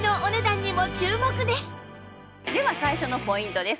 では最初のポイントです。